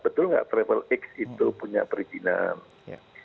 betul nggak travel x itu punya perizinan